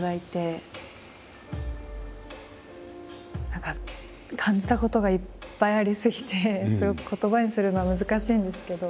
何か感じたことがいっぱいあり過ぎてすごく言葉にするのは難しいんですけど。